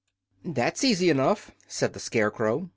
"That's easy enough," said the Scarecrow.